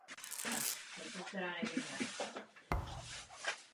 Tato operace je nezbytná, ale zároveň velmi komplikovaná.